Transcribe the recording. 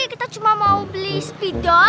kita cuma mau beli speedol